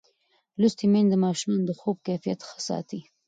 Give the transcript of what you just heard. لوستې میندې د ماشومانو د خوب کیفیت ښه ساتي.